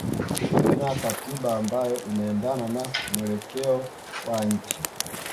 iwe na katiba ambayo inaendana na mwelekeo wa nchi